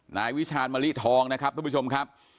นายวิชาณมะลิทองนะครับทุกผู้ชมครับ